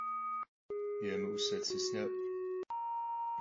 Yêmı'use tsısne'u.